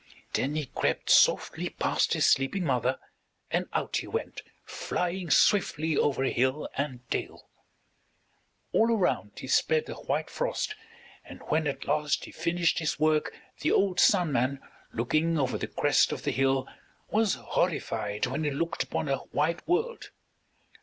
Then he crept softly past his sleeping mother, and out he went; flying swiftly over hill and dale. All around he spread the white frost, and when at last he finished his work the old Sun Man, looking over the crest of the hill, was horrified when he looked upon a white world.